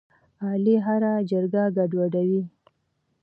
علي هره جرګه ګډوډوي.